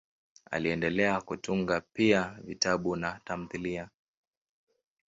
Aliendelea kutunga pia vitabu na tamthiliya.